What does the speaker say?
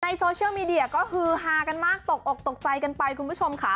โซเชียลมีเดียก็ฮือฮากันมากตกอกตกใจกันไปคุณผู้ชมค่ะ